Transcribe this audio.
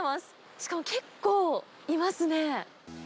しかも結構いますね。